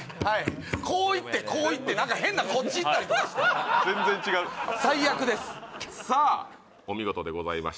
こういってこういって何かヘンなこっちいったりとかして全然違うさあお見事でございました